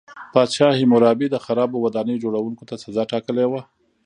پادشاه هیمورابي د خرابو ودانیو جوړوونکو ته سزا ټاکلې وه.